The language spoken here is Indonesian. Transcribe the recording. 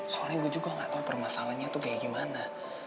soalnya gue juga gak tahu permasalahannya tuh kayak gimana